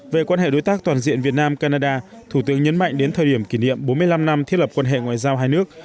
về quan hệ đối tác toàn diện việt nam canada thủ tướng nhấn mạnh đến thời điểm kỷ niệm bốn mươi năm năm thiết lập quan hệ ngoại giao hai nước